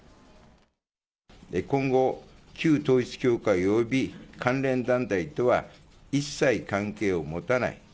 今後、旧統一教会および関連団体とは一切関係を持たない。